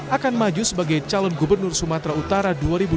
akan maju sebagai calon gubernur sumatera utara dua ribu dua puluh